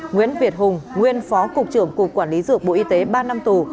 nguyễn việt hùng nguyên phó cục trưởng cục quản lý dược bộ y tế ba năm tù